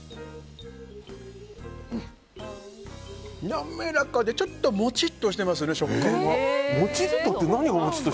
滑らかでちょっとモチッとしてますね、食感が。